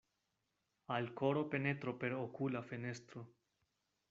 Al koro penetro per okula fenestro.